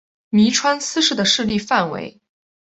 麓川思氏的势力范围。